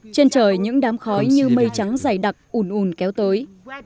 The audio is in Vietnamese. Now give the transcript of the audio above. trên trời những đám khói như mây trắng dày đặc ủn ủn kéo tới